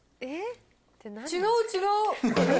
違う、違う！